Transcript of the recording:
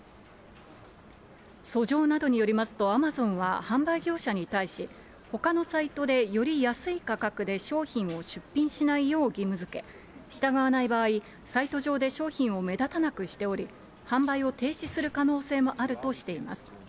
訴状などによりますと、アマゾンは販売業者に対し、ほかのサイトでより安い価格で商品を出品しないよう義務づけ、従わない場合、サイト上で商品を目立たなくしており、販売を停止する可能性もあるとしています。